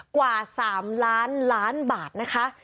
กว่า๓ล้านล้านบาทนะคะ